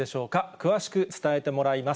詳しく伝えてもらいます。